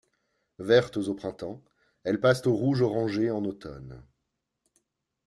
Vertes au printemps, elles passent au rouge orangé en automne.